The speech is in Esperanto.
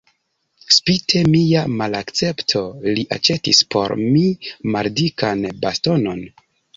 Spite mia malakcepto li aĉetis por mi maldikan bastonon.